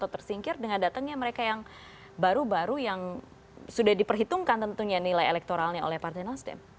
tersingkir dengan datangnya mereka yang baru baru yang sudah diperhitungkan tentunya nilai elektoralnya oleh partai nasdem